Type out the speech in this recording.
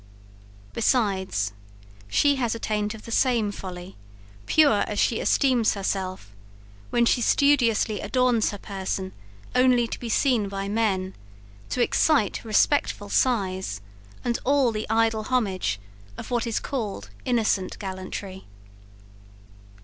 Besides, she has a taint of the same folly, pure as she esteems herself, when she studiously adorns her person only to be seen by men, to excite respectful sighs, and all the idle homage of what is called innocent gallantry.